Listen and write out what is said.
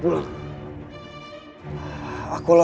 biar bahasa negeria